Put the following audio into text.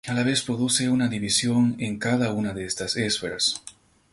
A la vez produce una división en cada una de estas esferas.